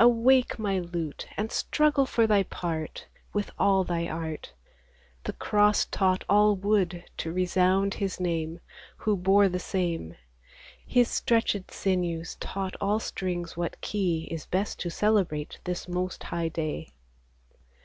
Awake, my lute, and struggle for thy part, With all thy art ; The cross taught all wood to resound His name, Who bore the same : His stretched sinews taught all strings what key Is best to celebrate this most high day.